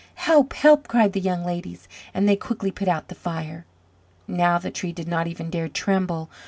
"Help! Help!" cried the young ladies, and they quickly put out the fire. Now the Tree did not even dare tremble.